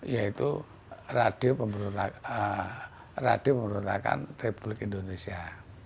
yaitu radio pemberontakan republik indonesia